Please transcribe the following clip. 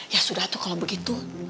ya sudah tuh kalau begitu